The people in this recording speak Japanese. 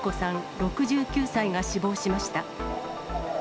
６９歳が死亡しました。